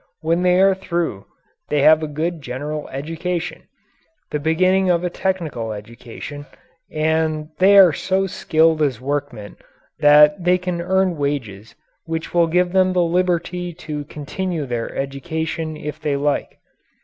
When they are through, they have a good general education, the beginning of a technical education, and they are so skilled as workmen that they can earn wages which will give them the liberty to continue their education if they like.